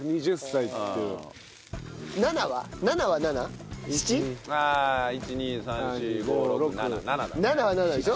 ７は「なな」でしょ？